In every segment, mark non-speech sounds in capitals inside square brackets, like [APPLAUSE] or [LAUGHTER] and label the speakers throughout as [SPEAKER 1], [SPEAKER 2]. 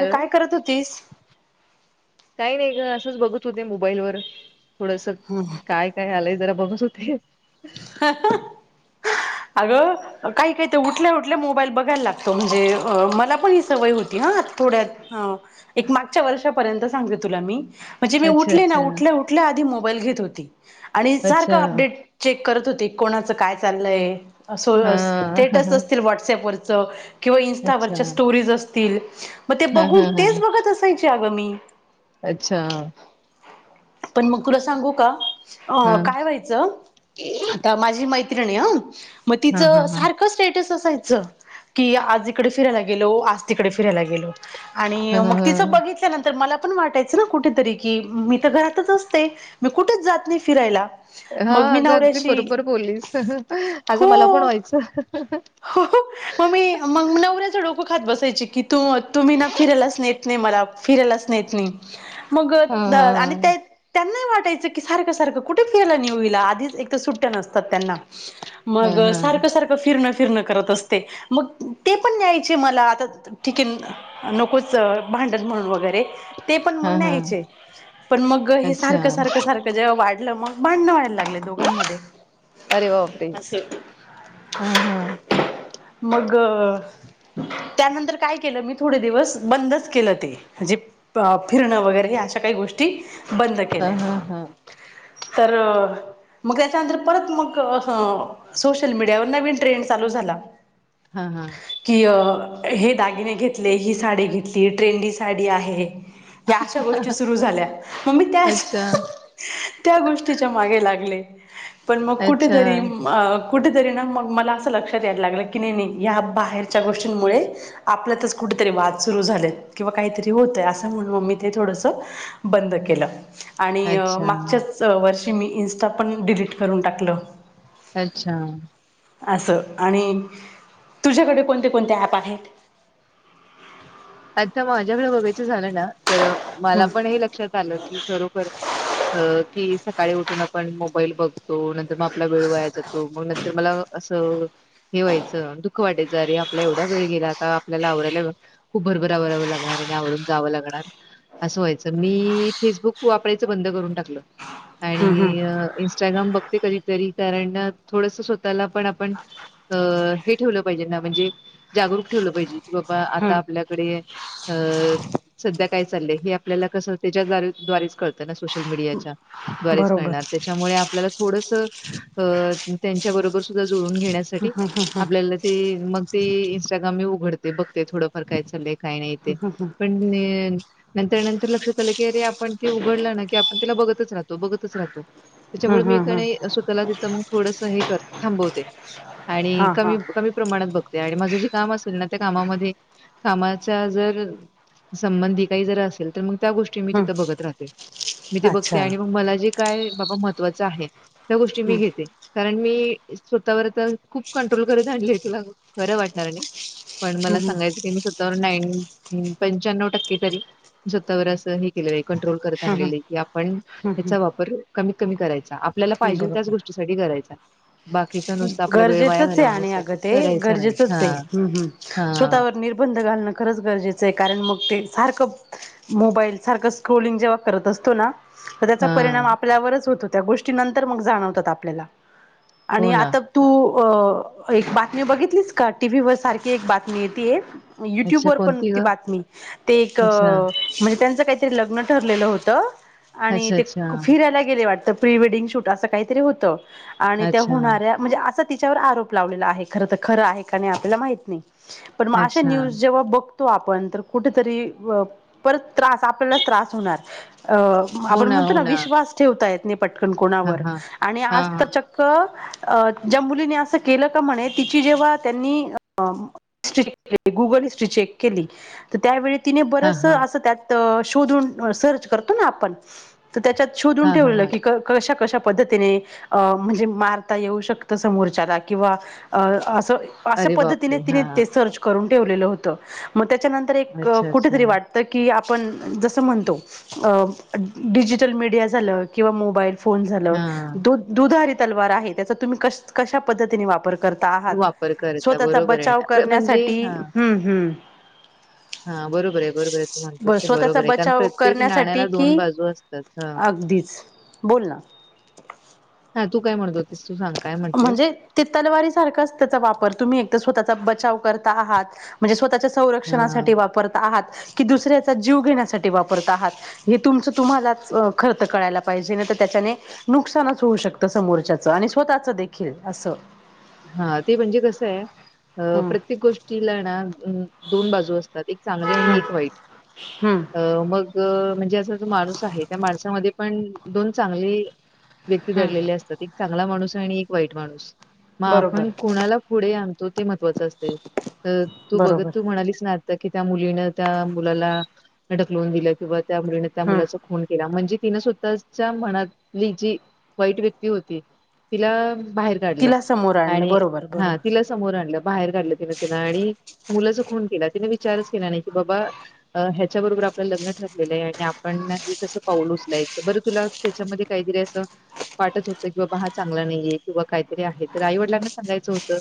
[SPEAKER 1] अगं
[SPEAKER 2] हॅलो
[SPEAKER 1] काय करत होतीस?
[SPEAKER 2] काही नाही ग असंच बघत होते, मोबाईल वर थोडस काय- काय आलंय? जरा बघत होते.
[SPEAKER 1] ह ह.
[SPEAKER 2] [INAUDIBLE]
[SPEAKER 1] अगं काही काही तर उठल्या उठल्या मोबाईल बघायला लागतो, म्हणजे अ-मला पण ही सवय होती हा. थोड्यात अ-एक मागच्या वर्षापर्यंत सांगते तुला मी. म्हणजे मी
[SPEAKER 2] अच्छा
[SPEAKER 1] उठले ना
[SPEAKER 2] अच्छा
[SPEAKER 1] उठल्या उठल्या आधी मोबाईल घेत होती, आणि
[SPEAKER 2] अच्छा
[SPEAKER 1] सारखं अपडेट चेक करत होते कोणाच काय चाललंय अस
[SPEAKER 2] हा हा
[SPEAKER 1] स्टेटस
[SPEAKER 2] हा
[SPEAKER 1] असतील, व्हॉटसअँप वरच किंवा
[SPEAKER 2] अच्छा
[SPEAKER 1] इन्स्टावरच्या स्टोरीज असतील, मग ते
[SPEAKER 2] हा हा
[SPEAKER 1] बघून
[SPEAKER 2] हा
[SPEAKER 1] तेच बघत असायचे अगं मी.
[SPEAKER 2] अच्छा!
[SPEAKER 1] पण मग तुला सांगू का
[SPEAKER 2] हा
[SPEAKER 1] अ-काय व्हायचं, आता माझी मैत्रिण मैत्रीण आहे हा म
[SPEAKER 2] हा हा
[SPEAKER 1] तिचं
[SPEAKER 2] हा
[SPEAKER 1] सारखं स्टेटस असायचं की आज इकडे फिरायला गेलो, आज तिकडे फिरायला गेलो. आणि
[SPEAKER 2] ह
[SPEAKER 1] मग तिचं
[SPEAKER 2] ह
[SPEAKER 1] बघितल्या नंतर मला पण वाटायचं ना कुठेतरी की मी तर घरातच असते. मी कुठेच जात नाही फिरायला.
[SPEAKER 2] हा
[SPEAKER 1] मग मी
[SPEAKER 2] अगं अगदी
[SPEAKER 1] नवऱ्याशी
[SPEAKER 2] बरोबर बोललीस. असं मला पण
[SPEAKER 1] हो
[SPEAKER 2] व्हायचं.
[SPEAKER 1] हो- मग मी मग नवऱ्याचं डोकं खात बसायची की. तू तुम्ही ना फिरायलाच नेत नाय नाय मला फिरायलाच नेत नाही मग
[SPEAKER 2] हा
[SPEAKER 1] -आणि
[SPEAKER 2] हा
[SPEAKER 1] ते त्यांनाही वाटतं. वाटायचं की. सारखं- सारखं कुठे फिरायला नेऊ हिला. आधीच एक तर सुट्ट्या नसतात त्यांना.
[SPEAKER 2] हा
[SPEAKER 1] मग
[SPEAKER 2] हा
[SPEAKER 1] सारखं-सारखं फिरन फिरणं करतं असते. मग ते पण न्यायचे मला आता ठीके नकोच भांडल म्हणून वगैरे. ते पण
[SPEAKER 2] हा
[SPEAKER 1] मग
[SPEAKER 2] हा
[SPEAKER 1] न्यायचे पण मग हे
[SPEAKER 2] अच्छा
[SPEAKER 1] सारखं-सारखं- सारखं जेव्हा वाढलं मग भांडणं व्हायला लागले दोघांमध्ये
[SPEAKER 2] अरे बापरे
[SPEAKER 1] असे
[SPEAKER 2] हा हा
[SPEAKER 1] मग त्यानंतर काय केलं मी थोडे दिवस. बंदच केलं ते. म्हणजे अ फिरणं वगैरे अशा काही गोष्टी बंद
[SPEAKER 2] हा
[SPEAKER 1] केल्या
[SPEAKER 2] -हा -हा.
[SPEAKER 1] तर मग त्याच्यानंतर परत मग असं सोशल मीडियावर नवीन ट्रेंडस. चालू झाला
[SPEAKER 2] हा हा
[SPEAKER 1] की हे दागिने घेतले. ही साडी घेतली. ट्रेंडी साडी आहे. या अशा गोष्टी सुरू झाल्या म मी त्याच
[SPEAKER 2] अच्छा
[SPEAKER 1] त्या गोष्टीच्या मागे लागले. पण मग
[SPEAKER 2] अच्छा
[SPEAKER 1] कुठेतरी कुठेतरी ना मग मला.. लक्षात यायला लागलं की. नाही-नाही या बाहेरच्या गोष्टींमुळे आपल्यातच कुठेतरी वाद सुरू झालेत. किंवा काहीतरी होतय असं म्हणून मग. मी ते थोडस बंद केलं. आणि
[SPEAKER 2] अच्छा
[SPEAKER 1] मागच्याच वर्षी मी इन्स्टा पण डिलीट करून टाकलं.
[SPEAKER 2] अच्छा.
[SPEAKER 1] असं आणि तुझ्याकडे कोणते कोणते ऍप आहेत?
[SPEAKER 2] आता माझ्याकडे बघायचं झालं ना. तर
[SPEAKER 1] हम्म.
[SPEAKER 2] मला पण हे लक्षात आलं की खरोखर की सकाळी उठून आपण मोबाईल बघतो, नंतर मग आपला वेळ वाया जातो मग नंतर मला असं हे व्हायचं दुःख वाटायचं अरे! आपला एवढा वेळ गेला, आता आपल्याला आवरायला खूप भरभर आवराव लागणार आणि आवरून जावं लागणार, असं व्हायचं मी फेसबुक वापरायचं बंद करून टाकलं, आणि इन्स्टाग्राम बघते कधी कारण थोडस स्वतःला पण आपण ठेवलं पाहिजे म्हणजे! ठ आपल्या..
[SPEAKER 1] हम्म
[SPEAKER 2] काय चा आपल्या क त्याारे कत सोशल मीडिया. दवारेच
[SPEAKER 1] बरोबर
[SPEAKER 2] करणार त्याच्यामुळे आपल्याला थोडस त्यांच्याबरोबर सुद्धा जुळून घेण्यासाठी.. आपल्याला ते मग ते इंस्टाग्राम मी उघडते बघते थोड. य चा का नाही ते पण नर नंतर लक्षात आलं की अरे आपण उघड.. आपणला ब राहतो ब राहतो
[SPEAKER 1] हम्म
[SPEAKER 2] त्याच्यामुळे मी
[SPEAKER 1] हम्म हम्म
[SPEAKER 2] स्वतःला द मग थोडस हे कर.. थांबवते
[SPEAKER 1] हा
[SPEAKER 2] आणि
[SPEAKER 1] हा
[SPEAKER 2] कमी कमी प्रमाणात बघते आणि माझं जे काम असेल ना त्या कामामध्ये.. कामाच्या जर संबंधी काही जर असेल तर मग.. त्या गोष्टी मी
[SPEAKER 1] हम्म
[SPEAKER 2] तिथं बघत राहते मी ते बघते
[SPEAKER 1] अच्छा
[SPEAKER 2] आणि मग
[SPEAKER 1] हम्म
[SPEAKER 2] मला जे काय बाबा महत्त्वाचं आहे. त्या गोष्टी मी घेते कारण मी स्वतःवर आता खूप कंट्रोल करत आणले हो. तुला खरं वाटणार नाही पण
[SPEAKER 1] हम्म
[SPEAKER 2] मला
[SPEAKER 1] हम्म
[SPEAKER 2] सांगायचं. पंक त स्वतवर.. कं करत आण
[SPEAKER 1] हम्म
[SPEAKER 2] क आपण
[SPEAKER 1] हम्म
[SPEAKER 2] त्याचा वापर कमीत कमी कराय. आपल्याला पाहिजे त्याच गोष्टी सा करायचा. बाकीचा नुसता आपला वेळ वाया
[SPEAKER 1] गरजेचच आहे आणि अग
[SPEAKER 2] घालवण्यासाठी
[SPEAKER 1] ते
[SPEAKER 2] करायचा नाही
[SPEAKER 1] गरजेचच
[SPEAKER 2] हा
[SPEAKER 1] ते्म हम्
[SPEAKER 2] हा
[SPEAKER 1] स्वतःवर नि.. बंद घालणं खरंच गरजेचं आहे कारण मग ते सारखं मोबाईल सारखं स्क्रोलिंग जेव्हा करत असतो ना.. तर त्याचा
[SPEAKER 2] हा
[SPEAKER 1] परिणाम आपल्यावरच होतो त्या गोष्टी नंतर मग जाणवतात आपल्याला..
[SPEAKER 2] हो
[SPEAKER 1] आणि
[SPEAKER 2] ना
[SPEAKER 1] आता तू.. अ एक बातमी बघितलीच का टीव्ही वर सारखी एक बातमी य ती एक. युट्यूब
[SPEAKER 2] अच्छा
[SPEAKER 1] वर पण
[SPEAKER 2] कोणती
[SPEAKER 1] ती
[SPEAKER 2] ग
[SPEAKER 1] बातमी ते एक
[SPEAKER 2] अच्छा
[SPEAKER 1] म्हणजे त्यांच काही.. ते लग्न ठरलेलं होत आणि
[SPEAKER 2] अच्छा
[SPEAKER 1] ते
[SPEAKER 2] अच्छा
[SPEAKER 1] फिरायला गेले वाटत.. प्री वेडिंग शूट असं काहीतरी होतं आणि त्या
[SPEAKER 2] अच्छा
[SPEAKER 1] होणाऱ्या म्हणजे अस.. आरोप लावले ख ख का आपल्याला मा नाही पण अ
[SPEAKER 2] अच्छा
[SPEAKER 1] न्यूज जेव्हा ब.. आपण तर कुठेतरी परत त्रास आपल्यालाच त्रास होणार. अ आपण म्हणतो ना विश्वास ठेवता येत नाही पटकन
[SPEAKER 2] हा
[SPEAKER 1] कोणावर
[SPEAKER 2] हा
[SPEAKER 1] आणि
[SPEAKER 2] हा
[SPEAKER 1] आज च.. ज मुली अस केलं का म्हणे तिची जेव्हा त्यांनी.. ग चे केली त्या.. तिने बर
[SPEAKER 2] हा हा
[SPEAKER 1] अस
[SPEAKER 2] हा
[SPEAKER 1] त्यात शोधून सर्च करतो ना आपण.. तर त्याच्यात शोधून
[SPEAKER 2] हा हा
[SPEAKER 1] ठेवलं
[SPEAKER 2] हा
[SPEAKER 1] की कशा कशा पद्धतीने.. म्हणजे मारता येऊ शकत समो किंवा..
[SPEAKER 2] अरे
[SPEAKER 1] प ठ..
[SPEAKER 2] बापरे हा
[SPEAKER 1] र
[SPEAKER 2] अच्छा
[SPEAKER 1] कुठ
[SPEAKER 2] अच्छा
[SPEAKER 1] वाटत क.. आप जस म्हणतो डिजिटल मीडिया झालं किंवा मोबाई.. झा
[SPEAKER 2] हा
[SPEAKER 1] दध तलवार आहे त्याचा तुम्ही कश पद्धतीने वापर.. ता आहात
[SPEAKER 2] वापर करता
[SPEAKER 1] स्वतःचा
[SPEAKER 2] बरोबर आहे
[SPEAKER 1] बचाव
[SPEAKER 2] ना प्र- म्हणजे
[SPEAKER 1] करण्यासाठी
[SPEAKER 2] हा
[SPEAKER 1] हम्म हम्म.
[SPEAKER 2] हा बरोबर आहे बरोबर आहे तू
[SPEAKER 1] ब
[SPEAKER 2] म्हणतेस ते
[SPEAKER 1] स्वतःचा
[SPEAKER 2] बरोबर आहे कारण
[SPEAKER 1] बचाव
[SPEAKER 2] प्रत्येक
[SPEAKER 1] करण्यासाठी
[SPEAKER 2] नाण्याला दोन
[SPEAKER 1] कि
[SPEAKER 2] बाजू असतात ह.
[SPEAKER 1] अगदीच बोल ना
[SPEAKER 2] हा तू काय म्हणत होतीस तू सांग काय म्हणतेस
[SPEAKER 1] म्हणजे ते तलवारी सारखंच त्याचा वापर तुम्ही एकदा स्वतःचा बचाव कर आत म्हणजे स्वतःच्या
[SPEAKER 2] हा
[SPEAKER 1] संरक्षणासाठी वापरता आहात की दुसऱ्याचा जीव घेण्यासाठी वापरत आहात हे तुमच तुम्हाला खर्च करायला पाहिजे तर त्या नुकसानच होऊ शकतं समोरच्याच आणि स्वतःच देखील असं
[SPEAKER 2] हा ते म्हणजे कसं आहे अ
[SPEAKER 1] हम्म
[SPEAKER 2] प्रत्येक गोष्टीला ना दोन बाजू असतात एक चांगली आणि
[SPEAKER 1] हम्म
[SPEAKER 2] एक वाईट
[SPEAKER 1] हम्म
[SPEAKER 2] अ मग म्हणजे असा जो माणूस आहे त्या माणसामध्ये पण दोन चांगले व्यक्ती दडलेले
[SPEAKER 1] हम्म
[SPEAKER 2] असतात एक चांगला माणूस आणि एक वाईट माणूस मग
[SPEAKER 1] बरोबर
[SPEAKER 2] आपण कुणाला पुढे आणतो ते महत्वाचं असते तू बघत
[SPEAKER 1] बरोबर
[SPEAKER 2] तू म्हणालीस ना कि त्या मुलीन त्या मुलाला ढकलवून दिलं किंवा त्या मुलीन त्या
[SPEAKER 1] हम्म
[SPEAKER 2] मुलाचा खून केला म्हणजे तिनं स्वतःच्या मनातली जी वाईट व्यक्ती होती तिला बाहेर काढलं
[SPEAKER 1] तिला समोर आणलं
[SPEAKER 2] आणि
[SPEAKER 1] बरोबर
[SPEAKER 2] हा
[SPEAKER 1] बरोबर
[SPEAKER 2] तिला समोर आणलं बाहेर काढलं तिन तिनं आणि मुलाच खून केला तिने विचारच केला नाही की बाबा ह्याच्याबरोबर आप लग् आपण एकसं पाऊल उचलायचं बर तुला त्याच्यामध्ये काहीतरी असं वाटत होतं कि बाबा हा चांगला नाहीये किंवा काहीतरी आहे तर आईवडिलांना सांगायचं होतं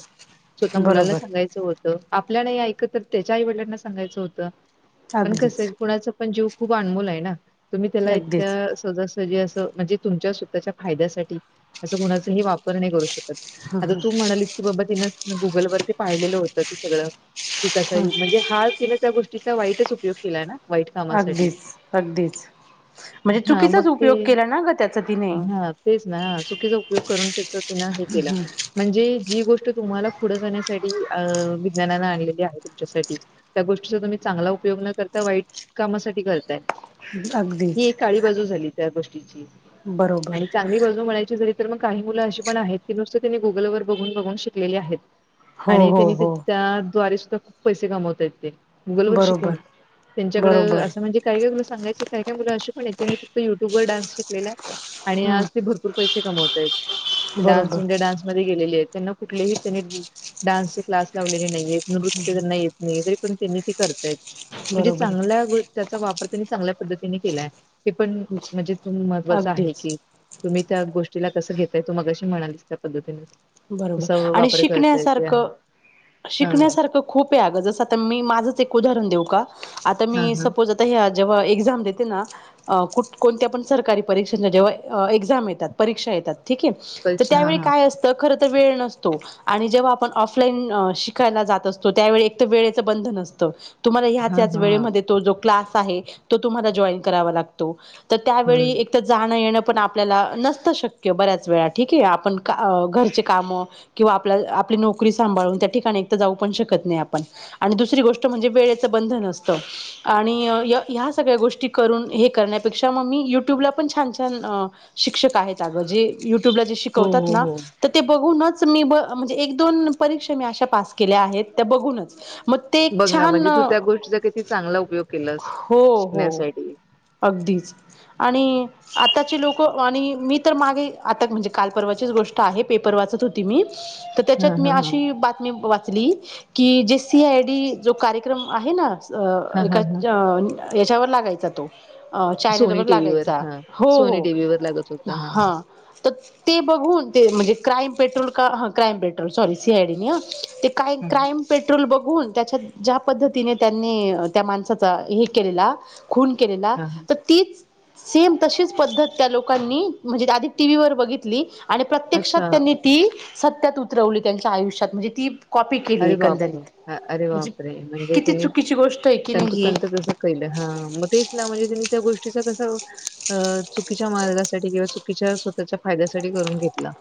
[SPEAKER 2] स्वतः मुलाना
[SPEAKER 1] बरोबर
[SPEAKER 2] सांगायचं होतं आपल्या नाही ऐक तर त्याच्या आईवडलांना सांगायचं होतं पण
[SPEAKER 1] अगदीच
[SPEAKER 2] कसं कुणाच पण जीव खूप अनमोल आहे ना तुम्ही त्याला
[SPEAKER 1] अगदीच
[SPEAKER 2] इतक्या सज म्हणजे तुमच्या स्वतःच्या फायद्यासाठी असं कुणाचा हे वापर नाही करू शकत आता तू म्हणालीस की बाबा तिनं गुगल वरती पाहिलेलं होतं तू सगळं ठीक म्हणजे हा तिने त्या गोष्टीचा वाईटच उपयोग केलाय ना वाईट कामासाठी
[SPEAKER 1] अगदीच अगदीच म्हणजे
[SPEAKER 2] हा
[SPEAKER 1] चुकीचाच
[SPEAKER 2] मग ते
[SPEAKER 1] उपयोग केला ना ग त्याचा तिने
[SPEAKER 2] हा तेच ना चुकीचा उपयोग करून के म्हणजे जी गोष्ट तु पुढ जाण्यासाठी विज्ञानान आणली आहे तुमच्यासाठी त्या गोष्टी तुम्ही चांगल्यासाठी उपयोग न करता वाईट कामासाठी करताय ही
[SPEAKER 1] अगदीच
[SPEAKER 2] एक काळी बाजू झाली त्या गोष्टीची
[SPEAKER 1] बरोबर
[SPEAKER 2] आणि चांगली बाजू म्हणायची झा तर मग काही मुलं अशी पण आहेत की नुसतं त्यांनी गुगल वर बघून बघून शिकलेली आहेत
[SPEAKER 1] हो
[SPEAKER 2] आणि
[SPEAKER 1] हो
[SPEAKER 2] तेनी
[SPEAKER 1] हो
[SPEAKER 2] त्याच्या द्वारे सुद्धा खूप पैसे कमवताय ते गुगल वर शिकून
[SPEAKER 1] बरोबर
[SPEAKER 2] त्यांच्याकड
[SPEAKER 1] बरोबर
[SPEAKER 2] असं म्हणजे काय काय तुला सांगायचे काय मुलं अशी पण आहे त्यांनी फक्त युट्यूब वर डान्स शिकलेला आहे आणि आज ते
[SPEAKER 1] हम्म
[SPEAKER 2] भरपूर पैसे कमवतय
[SPEAKER 1] बरोबर
[SPEAKER 2] डान्स मध्ये गेलेले आहेत त्यांना कुठलेही त्यांनी डान्सचे क्लास लावलेले नाहीय नृत्य त्यांना येत नाही तरी पण त्यांनी ते करताय म्हणजे
[SPEAKER 1] बरोबर
[SPEAKER 2] चांगल्या त्याचा वापर नी चांगल्या पद्ती केला पण म्हणजे महवाचं आहे
[SPEAKER 1] अगदीच
[SPEAKER 2] की तुम्ही त्या गोष्टीला कसं घेतय तू मगला कशी म्हणालीस त्या पद्धतीनें
[SPEAKER 1] बरोबर आणि शिकण्यासारखं
[SPEAKER 2] हा
[SPEAKER 1] शिकण्यासारखं खूप आहे अगं जस आता मी माझंच एक
[SPEAKER 2] हा हा
[SPEAKER 1] आ जेव्हा एक्झाम देते ना कुठ कोणत्या पण सरकारी परीक्षांच्या जेव्हा एक्झाम येतात परीक्षा येतात ठीक आहे तर
[SPEAKER 2] परीक्षा हा
[SPEAKER 1] त्यावेळी
[SPEAKER 2] हा
[SPEAKER 1] काय अस वेळ नसतो आणि जेव्हा आपण ऑफलाईन शिकायला जात असतो त्यावे वेळेच बंधन त व क् त
[SPEAKER 2] हा हा हा
[SPEAKER 1] त्हाला करा लाो [UNINTELLIGIBLE] तर त्यावेळी
[SPEAKER 2] हम्म
[SPEAKER 1] एकतर जाणं येणं पण आपल्याला नसतं शक्य बऱ्याच वेळा ठीके आहे आपण का ते काम कि आप आपली नोकरी सांभाळून त्या ठिका जाऊ पण शकत नाही आपण द गोष्ट म्हणजे वेळेचं बंधन असत आणि ह्या सगळ्या गोष्टी करून हे करण्यापेक्षा मग मी युट्युबला पण छान छ शिक्षक आहेत अगं जे युट्युबला जे
[SPEAKER 2] हो
[SPEAKER 1] शिकवतात
[SPEAKER 2] हो
[SPEAKER 1] ना
[SPEAKER 2] हो
[SPEAKER 1] तर ते बघूनच मी म्हणजे एक दोन परीक्षा मी अशा पास केल्या आहेत त्या बघूनच मग ते एक
[SPEAKER 2] बघ ना
[SPEAKER 1] छान
[SPEAKER 2] म्हणजे तू त्या गोष्टीचा किती चांगला उपयोग केलास
[SPEAKER 1] हो हो
[SPEAKER 2] शिकण्यासाठी
[SPEAKER 1] अगदीच आणि आताची लोक आणि मी तर मागे आता म्हणजे काल परर्वाचीच गोष्ट [UNINTELLIGIBLE] पेपर वाचत होती मी तर
[SPEAKER 2] हा
[SPEAKER 1] त्याच्यात मी
[SPEAKER 2] हा हा
[SPEAKER 1] अशी बातमी वाच ली की जे सी आयडी जो कार्यक्रम आहे ना ज अ
[SPEAKER 2] हा हा
[SPEAKER 1] एका
[SPEAKER 2] हा
[SPEAKER 1] ज अ याच्यावर लागायचा तो अ
[SPEAKER 2] सोनी
[SPEAKER 1] चायनलवर
[SPEAKER 2] टीव्हीवर
[SPEAKER 1] लागायचा
[SPEAKER 2] हा
[SPEAKER 1] हो
[SPEAKER 2] सोनी
[SPEAKER 1] हो
[SPEAKER 2] टीव्हीवर लागत होता
[SPEAKER 1] हा त ते बघून ते म्हणजे क्राईम पेट्रोल का ह क्राईम पेट्रोल सॉरी सीआयडी ते का
[SPEAKER 2] हा
[SPEAKER 1] क्राईम पेट्रोल बघ हून त्याच्यात ज्या पद्धतीने त्यांनी त्या माणसाचा हे केलेला खून केलेला
[SPEAKER 2] हा हा
[SPEAKER 1] तर तीच सेम तशीच पद्धत त्या लोकांनी म्हणजे आधी टीव्हीवर बघितली आणि प्रत्यक्षात
[SPEAKER 2] अच्छा
[SPEAKER 1] त्यांनी ती सत्यात उतरवली त्यांच्या आयुष्यात म्हणजे ती कॉपी केली
[SPEAKER 2] अरे बापरे
[SPEAKER 1] एकंदरीत
[SPEAKER 2] अ- अरे
[SPEAKER 1] म्हणजे
[SPEAKER 2] बापरे म्हणजे
[SPEAKER 1] किती
[SPEAKER 2] त्यांनी
[SPEAKER 1] चुकीची गोष्ट आहे की नाही ही
[SPEAKER 2] तंतोतंत तसं केलं हा मग तेच ना म्हणजे त्यां त्या गोष्टी [UNINTELLIGIBLE] चुकीच्या मार्गासाठी किंवा चुकीच्या स्वतःच्या फायद्यासाठी करून घेतला.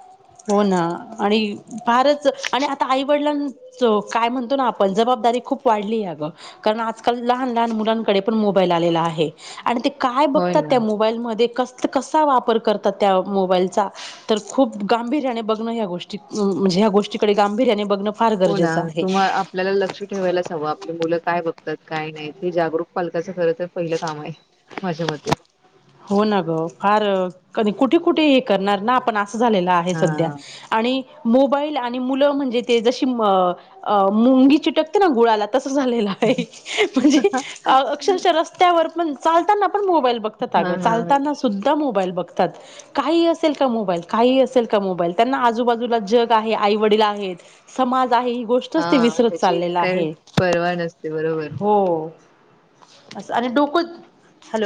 [SPEAKER 1] हो ना आणि फारच आणि आता आईवडिलां काय म्हणतो ना आपण जवाब दारी खूप वाढली ग कारण आजकाल लहान लहान मुलांकडे पण मोबाईल आलेला आहे. आणि ते काय
[SPEAKER 2] होय
[SPEAKER 1] बघतात
[SPEAKER 2] ना
[SPEAKER 1] त्या मोबाईलमध्ये कस. कसा वापर करतात त्या मोबाईलचा तर खूप गांभीर्याने बघणं ह्या गोष्टी म्हणजे ह्या गोष्टीकडे गांभीर्याने बघण.
[SPEAKER 2] हो ना तुम्हा आपल्याला लक्ष ठेवायलाच हवं आपली मुलं काय बघत. तत काही नाही हे जागरूक पालकाचं खर तर पहिलं काम आहे माझ्या मते
[SPEAKER 1] हो ना ग फार कधी कुठे कुठे हे करणार ना आपण झालेल आहे
[SPEAKER 2] हा
[SPEAKER 1] सध्या आणि मोबाईल आणि मुलं म्हणजे ते जशी म अ मुंगी चिटकते ना गुळाला तस झालेल आहे म्हणजे अ अक्षश रस्त्यावर पण चालताना पण मोबाइल. [UNINTELLIGIBLE]
[SPEAKER 2] हा हा हा
[SPEAKER 1] चालताना सुद्धा मोबाईल बघ. काही असेल का मोबाईल काही असेल का मोबाईल त्यांना आजूबाजूला जग आहे आईवडील आहे. समाज. काही गोष्टच ते
[SPEAKER 2] हा,
[SPEAKER 1] विसरत
[SPEAKER 2] ह्याची
[SPEAKER 1] चाललेल
[SPEAKER 2] काय
[SPEAKER 1] आहे
[SPEAKER 2] परवा नसते बरोबर
[SPEAKER 1] हो. अस आणि डोकं हॅलो.